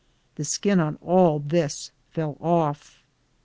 The skin on all this fell off.